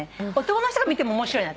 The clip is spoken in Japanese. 男の人が見ても面白い。